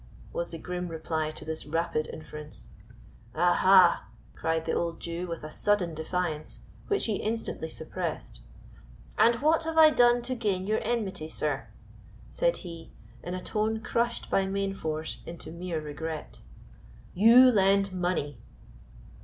was the grim reply to this rapid inference. "Aha!" cried the old Jew, with a sudden defiance, which he instantly suppressed. "And what have I done to gain your enmity, sir?" said he, in a tone crushed by main force into mere regret. "You lend money."